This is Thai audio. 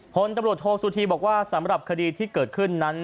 ผลตำรวจโทษสุธีบอกว่าสำหรับคดีที่เกิดขึ้นนั้น